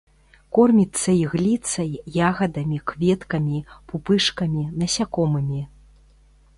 Корміцца ігліцай, ягадамі, кветкамі, пупышкамі, насякомымі.